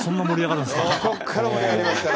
こっから盛り上がりますから。